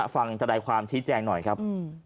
ฟังจดัยความที่แจ้งหน่อยครับ